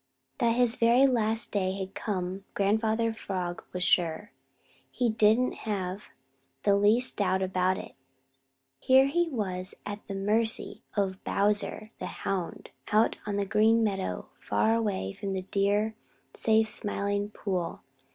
That his very last day had come Grandfather Frog was sure. He didn't have the least doubt about it. Here he was at the mercy of Bowser the Hound out on the Green Meadows far from the dear, safe Smiling Pool.